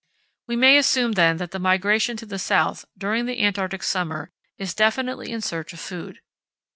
We may assume then that the migration to the south, during the Antarctic summer, is definitely in search of food.